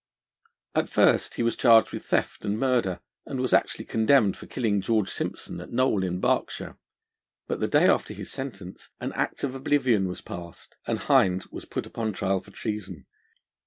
At first he was charged with theft and murder, and was actually condemned for killing George Sympson at Knole in Berkshire. But the day after his sentence, an Act of Oblivion was passed, and Hind was put upon trial for treason.